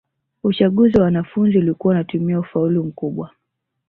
uchaguzi wa wanafunzi ulikuwa unatumia ufaulu mkubwa